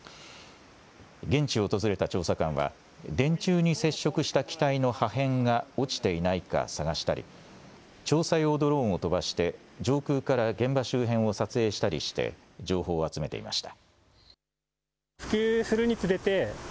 現地を訪れた調査官は電柱に接触した機体の破片が落ちていないか探したり調査用ドローンを飛ばして上空から現場周辺を撮影したりして情報を集めていました。